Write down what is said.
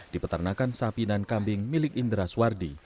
di peternakan sapi dan kambing milik indra suwardi